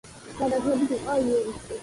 განათლებით იყო იურისტი.